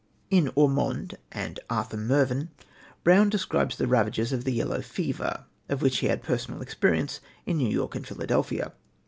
In Ormond and Arthur Mervyn, Brown describes the ravages of the yellow fever, of which he had personal experience in New York and Philadelphia.